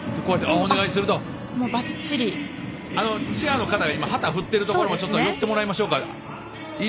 チアの方が旗を振っているところにも寄ってもらいましょうか。